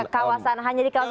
kawasan hanya di kawasan